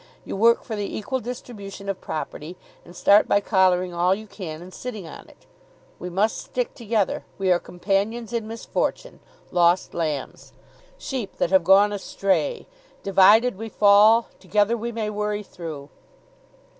You work for the equal distribution of property, and start by collaring all you can and sitting on it. We must stick together. We are companions in misfortune. Lost lambs. Sheep that have gone astray. Divided, we fall, together we may worry through.